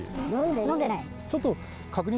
飲んでない。